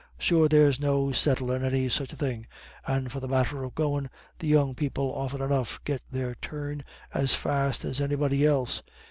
"Sure there's no settlin' any such a thing, and for the matter of goin', the young people often enough get their turn as fast as anybody else.